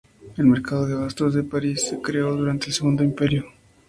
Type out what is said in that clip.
El mercado de abastos de París se creó durante el Segundo Imperio.